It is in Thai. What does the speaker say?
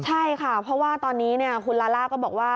ใช่ค่ะเพราะว่าตอนนี้คุณลาล่าก็บอกว่า